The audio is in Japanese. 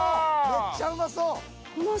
めっちゃうまそう。